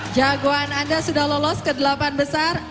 jagoan anda sudah lolos ke delapan besar